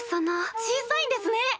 小さいんですね！